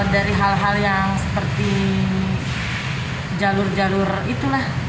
dari hal hal yang seperti jalur jalur itulah